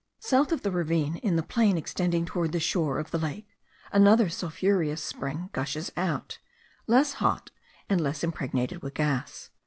South of the ravine, in the plain extending towards the shore of the lake, another sulphureous spring gushes out, less hot and less impregnated with gas.